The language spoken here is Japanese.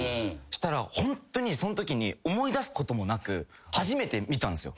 したらホントにそのときに思い出すこともなく初めて見たんすよ。